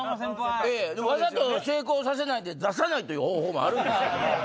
わざと成功させないで出さないという方法もあるんですけど。